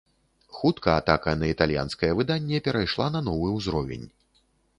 Хутка атака на італьянскае выданне перайшла на новы ўзровень.